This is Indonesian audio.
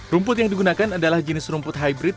rumput yang digunakan adalah jenis rumput hybrid